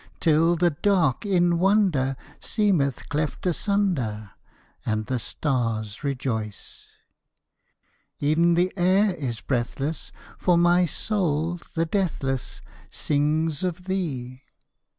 Till the dark in wonder Seemeth cleft asunder, And the stars rejoice. E'en the air is breathless, For my soul, the deathless, Sings of thee.